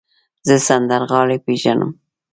زه سندرغاړی پیژنم.